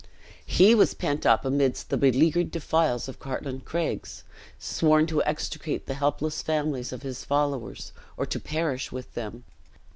He was pent up amidst the beleaguered defiles of Cartland Craigs, sworn to extricate the helpless families of his followers, or to perish with them.